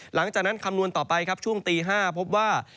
หลังจากนั้นคำนวณต่อไปช่วงตี๕พบว่า